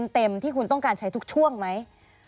เต็มที่คุณต้องการใช้ทุกช่วงไหม